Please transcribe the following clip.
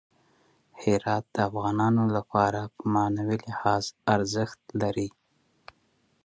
هرات د افغانانو لپاره په معنوي لحاظ ارزښت لري.